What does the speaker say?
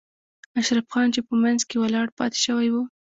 اشرف خان چې په منځ کې ولاړ پاتې شوی و.